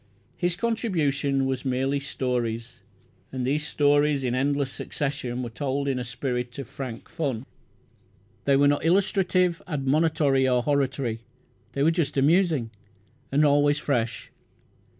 His contribution was merely "stories", and these stories in endless succession were told in a spirit of frank fun. They were not illustrative, admonitory, or hortatory. They were just amusing, and always fresh.